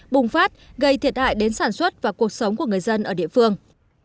bùng phát gây thiệt hại đến sản xuất và cuộc sống của người dân ở địa phương